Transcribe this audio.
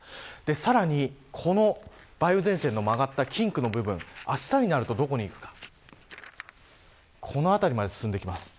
さらに、梅雨前線の曲がったピンクの部分、あしたになるとどこへいくのかこの辺りまで進んできます。